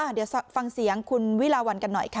เดี๋ยวฟังเสียงคุณวิลาวันกันหน่อยค่ะ